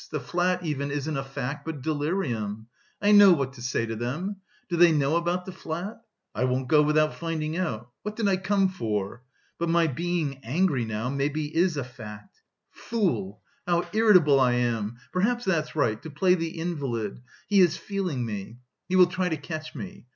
The flat even isn't a fact but delirium. I know what to say to them.... Do they know about the flat? I won't go without finding out. What did I come for? But my being angry now, maybe is a fact! Fool, how irritable I am! Perhaps that's right; to play the invalid.... He is feeling me. He will try to catch me.